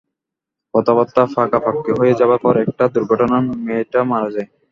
কথাবার্তা পাকাপার্কি হয়ে যাবার পর একটা দুর্ঘটনায় মেয়েটা মারা যায়।